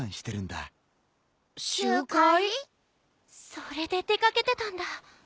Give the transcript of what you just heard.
それで出掛けてたんだ。